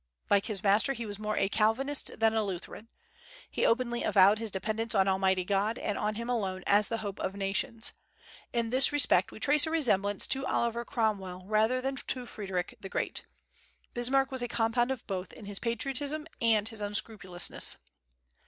Like his master, he was more a Calvinist than a Lutheran. He openly avowed his dependence on Almighty God, and on him alone, as the hope of nations. In this respect we trace a resemblance to Oliver Cromwell rather than to Frederic the Great. Bismarck was a compound of both, in his patriotism and his unscrupulousness.